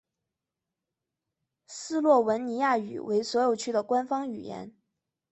斯洛文尼亚语为所有区的官方语言。